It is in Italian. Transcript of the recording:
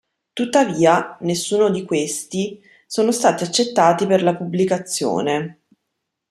Tuttavia, nessuno di questi sono stati accettati per la pubblicazione.